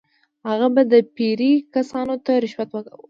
هغه به د پیرې کسانو ته رشوت ورکاوه.